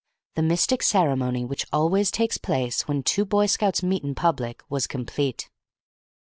The mystic ceremony which always takes place when two Boy Scouts meet in public was complete.